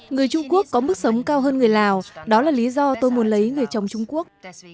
người trung quốc có mức sống cao hơn người lào đó là lý do tôi muốn lấy người chồng trung quốc